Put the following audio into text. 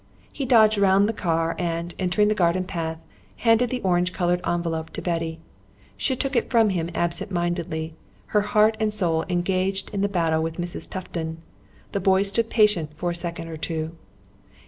He dodged round the car and, entering the garden path, handed the orange coloured envelope to Betty. She took it from him absent mindedly, her heart and soul engaged in the battle with Mrs. Tufton. The boy stood patient for a second or two.